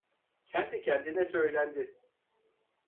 Kendi kendine söylendi: